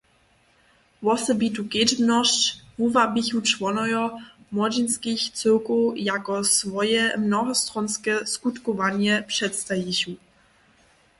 Wosebitu kedźbnosć wuwabichu čłonojo młodźinskich cyłkow, jako swoje mnohostronske skutkowanje předstajichu.